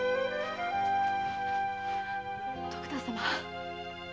徳田様